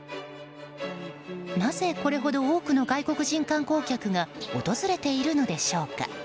なぜこれほど多くの外国人観光客が訪れているのでしょうか。